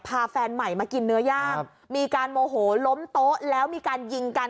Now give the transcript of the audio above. แฟนใหม่มากินเนื้อย่างมีการโมโหล้มโต๊ะแล้วมีการยิงกัน